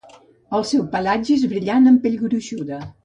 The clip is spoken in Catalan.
El seu pelatge és brillant amb pell gruixuda.